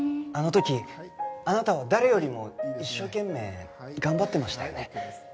あの時あなたは誰よりも一生懸命頑張ってましたよね。